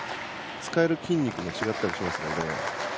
使える筋肉が違ったりしますので。